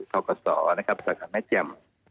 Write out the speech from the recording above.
เข้ากับสรสรรค์แม่เจมส์